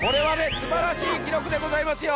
すばらしいきろくでございますよ。